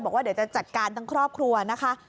บอกว่าเดี๋ยวจะจัดการทั้งครอบครัวนะคะ